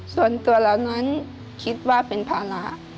ส่วนตัวเรานั้นคิดว่าเป็นภาระ